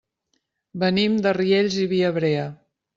Venim de Riells i Viabrea.